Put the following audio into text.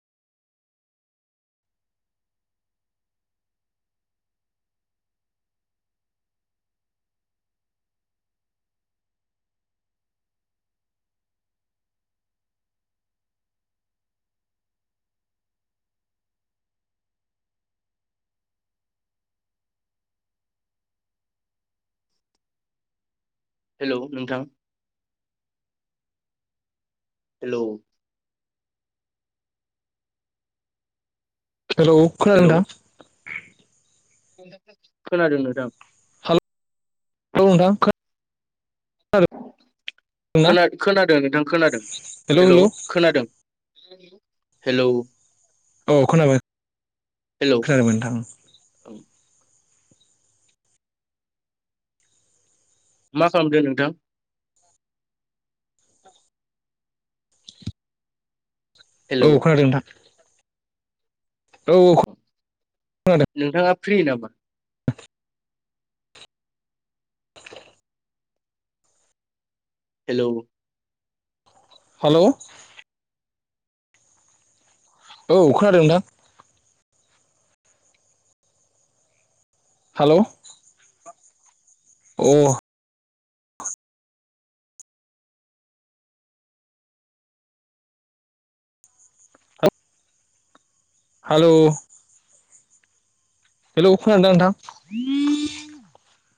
Hello नोंथां hello hello खोनादों hello ना? खोनादों नोंथां। औ नोंथां खोनादों ना खोनादों नोंथां खोनादों हेलौ हेल' हेलौ औ खोनादों। हेलौ औ खोनाबाय हेलौ खोनादों नोंथां औ। मा खालामदो नोंथां? हेलौ औ खोनादों नोंथां। औ खोनादों नोंथाङा फ्रि नामा हेलौ हालौ औ खोनादों ना? हालौ अ हालौ हेलौ खोनादोंना नोंथां?